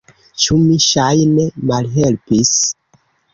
Ĉu mi, ŝajne, malhelpis?